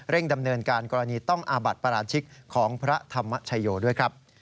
เร่งดำเนินการกรณีต้องอาบัดประหลาดชิคของพระธรรมชัยโยด้วยครับ